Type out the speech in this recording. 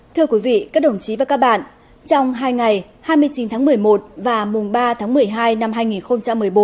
thưa quý vị các đồng chí và các bạn trong hai ngày hai mươi chín tháng một mươi một và mùng ba tháng một mươi hai năm hai nghìn một mươi bốn